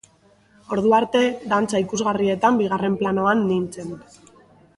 Ordu arte, dantza ikusgarrietan bigarren planoan nintzen.